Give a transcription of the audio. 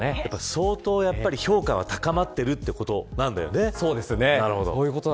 相当、評価は高まっているということなんだよね。